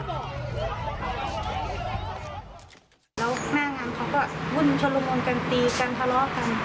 แล้วหน้างานเขาก็วุ่นชุลมุนกันตีกันทะเลาะกัน